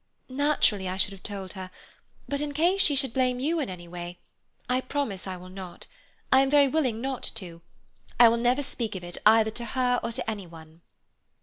"Naturally I should have told her. But in case she should blame you in any way, I promise I will not, I am very willing not to. I will never speak of it either to her or to any one."